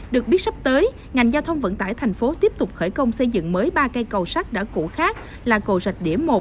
được biết sắp tới ngành giao thông vận tải thành phố tiếp tục khởi công xây dựng mới ba cây cầu sắc đã cũ khác là cầu rạch đĩa một